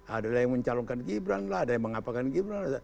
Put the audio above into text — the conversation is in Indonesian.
ada yang mencalonkan gibran lah ada yang mengapakan gibran